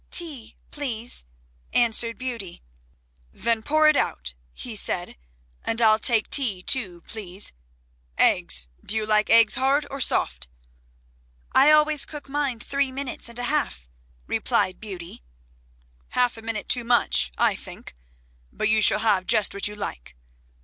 "Tea please," answered Beauty. "Then pour it out," he said, "and I'll take tea too, please. Eggs, do you like eggs hard or soft?" "I always cook mine three minutes and a half," replied Beauty. "Half a minute too much, I think. But you shall have just what you like."